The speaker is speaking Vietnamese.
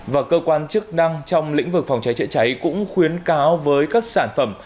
và cơ quan chức năng trong lĩnh vực phòng cháy chữa cháy cũng khuyến cáo với các sản phẩm